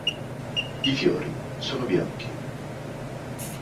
I fiori sono bianchi.